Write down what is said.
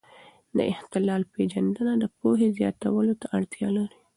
د اختلال پېژندنه د پوهې زیاتولو ته اړتیا لري.